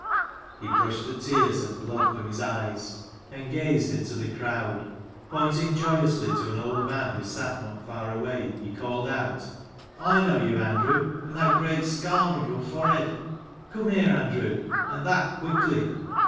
He brushed the tears and blood from his eyes and gazed into the crowd. Pointing joyously to an old man who sat not far away he called out :" I know you, Andrew, from that great scar on your forehead. Come here, Andrew, and that quickly."